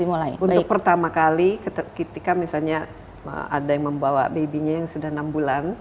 untuk pertama kali ketika misalnya ada yang membawa baby nya yang sudah enam bulan